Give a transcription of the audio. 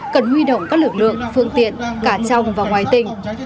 cần huy động các lực lượng phương tiện cả trong và ngoài tỉnh